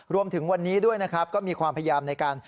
รวมถึงวันนี้ด้วยนะครับก็มีความพยายามในการ